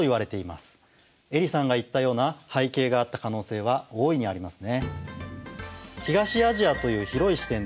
えりさんが言ったような背景があった可能性は大いにありますね。